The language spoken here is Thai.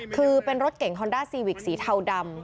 คือเป็นรถเก่งฮอนด้าซีวิกสีเทาดำ